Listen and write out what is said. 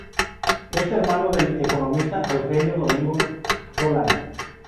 Es hermano del economista Eugenio Domingo Solans.